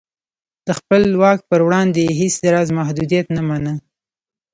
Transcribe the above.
د خپل واک پر وړاندې یې هېڅ راز محدودیت نه مانه.